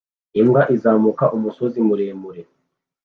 Imbwa izamuka umusozi muremure